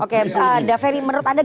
oke daferi menurut anda